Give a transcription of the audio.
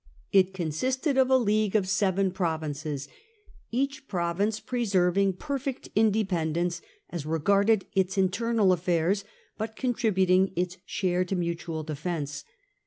It consisted of a league ot seven provinces, each province preserving perfect indepen dence as regarded its internal affairs, but contributing its share to mutual defence.